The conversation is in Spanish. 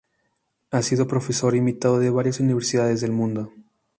Ha sido profesor invitado de varias universidades del mundo.